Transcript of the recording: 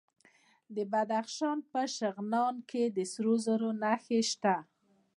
د بدخشان په شغنان کې د سرو زرو نښې شته.